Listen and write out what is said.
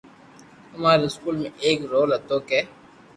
اماري اسڪول مي ايڪ رول ھوتو ڪي